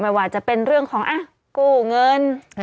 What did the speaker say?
ไม่ว่าจะเป็นเรื่องของกู้เงิน